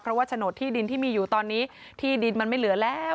เพราะว่าโฉนดที่ดินที่มีอยู่ตอนนี้ที่ดินมันไม่เหลือแล้ว